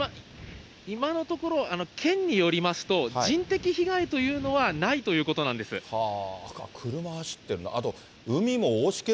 今のところ、県によりますと、人的被害というのはないというこ車走ってるな。